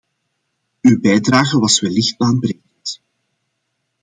Uw bijdrage was wellicht baanbrekend.